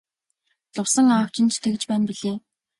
Лувсан аав чинь ч тэгж байна билээ.